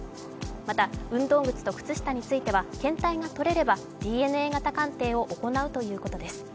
また運動靴と靴下については検体が取れればＤＮＡ型鑑定を行うということです。